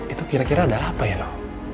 itu kira kira ada apa ya loh